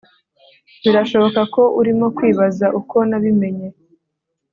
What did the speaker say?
Birashoboka ko urimo kwibaza uko nabimenye